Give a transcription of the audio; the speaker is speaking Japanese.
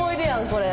これ。